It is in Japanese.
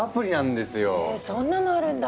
ヘそんなのあるんだ！